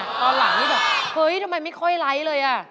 ตอนหลังเห้ยทำไมไม่ค่อยไลค์เลย